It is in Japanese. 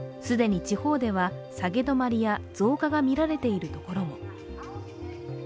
既に地方では下げ止まりや増加がみられているところも。